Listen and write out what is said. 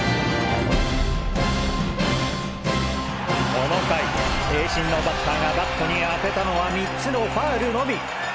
この回栄新のバッターがバットに当てたのは３つのファールのみ！